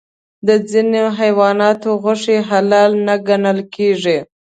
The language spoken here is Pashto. د ځینې حیواناتو غوښه حلال نه ګڼل کېږي.